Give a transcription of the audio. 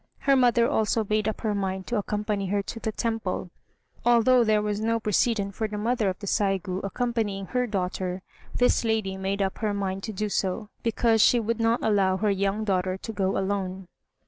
Her mother also made up her mind to accompany her to the temple. Although there was no precedent for the mother of the Saigû accompanying her daughter, this lady made up her mind to do so, because she would not allow her young daughter to go alone.